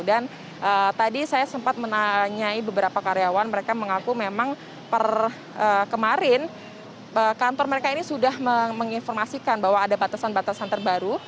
dan tadi saya sempat menanyai beberapa karyawan mereka mengaku memang per kemarin kantor mereka ini sudah menginformasikan bahwa ada batasan batasan terbaru